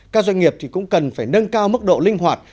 các doanh nghiệp cũng cần phải nâng cao mức độ linh hoạt